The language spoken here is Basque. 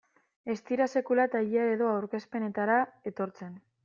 Ez dira sekula tailer edo aurkezpenetara etortzen.